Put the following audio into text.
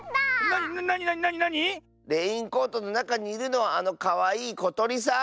なになになに⁉レインコートのなかにいるのはあのかわいいことりさん！